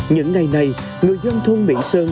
những ngày này người dân thôn mỹ sơn